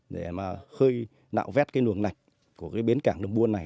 để khơi nạo vét luồng nạch của bến cảng đầm buôn này